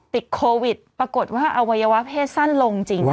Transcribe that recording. ติดโควิดปรากฏว่าอวัยวะเพศสั้นลงจริงค่ะ